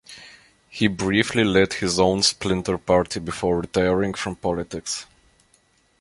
He briefly led his own splinter party before retiring from politics.